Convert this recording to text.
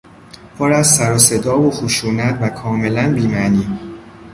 پر از سروصدا و خشونت و کاملا بی معنی